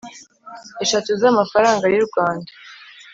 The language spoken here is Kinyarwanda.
eshatu z amafaranga y u Rwanda